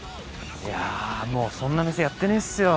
いやもうそんな店やってねえっすよ。